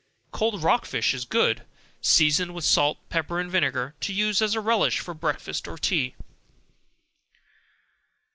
Cold rock fish is good, seasoned with salt, pepper and vinegar, to use as a relish for breakfast or tea.